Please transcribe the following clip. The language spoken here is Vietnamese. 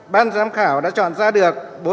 ban giám khảo đã chọn ra được